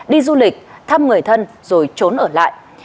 đi du lịch thăm người thân rồi trốn ở lại